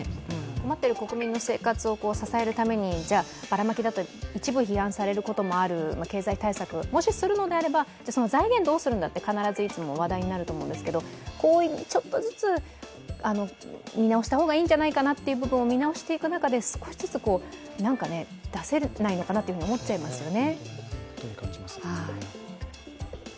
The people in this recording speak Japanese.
困っている国民の生活を支えるためにバラマキだと一部批判されることもある経済対策、もしするのであれば財源どうするんだって、必ずいつも話題になると思うんですけどちょっとずつ見直した方がいいんじゃないかなということを見直していく中で少しずつ出せないのかなと思っちゃいますよね。